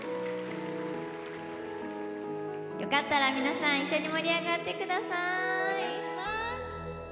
よかったら、皆さん一緒に盛り上がってください。